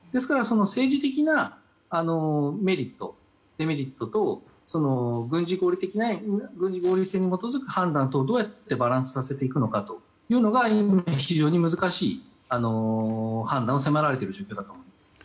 政治的なメリット、デメリットと軍事合理性に基づく判断とをどうやってバランスさせていくのかというのが今、非常に難しい判断を迫られている状況だと思います。